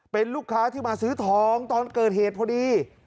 เป็นลูกค้าที่มาซื้อทองตอนเกิดเหตุพอดี